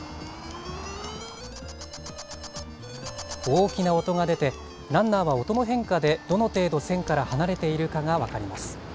大きな音が出て、ランナーは音の変化でどの程度線から離れているかが分かります。